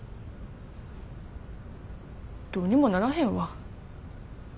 どうにもならへんわ。